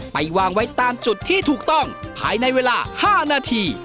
ไปวางไว้ตามจุดที่ถูกต้องภายในเวลา๕นาที